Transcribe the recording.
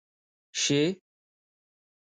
شې.